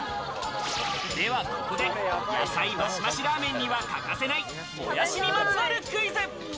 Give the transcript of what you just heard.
では、ここで野菜マシマシラーメンには欠かせない、もやしにまつわるクイズ。